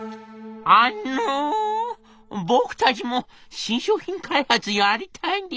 「あの僕たちも新商品開発やりたいんです。